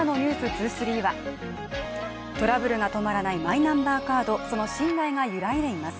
２３はトラブルが止まらないマイナンバーカード、その信頼が揺らいでいます。